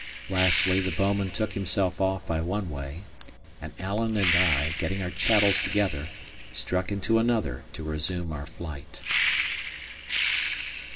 Lastly, the bouman took himself off by one way; and Alan and I (getting our chattels together) struck into another to resume our flight.